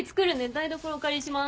台所お借りします。